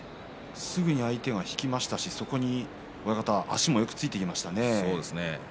すぐに相手が引きましたしそこによく足もついていきました。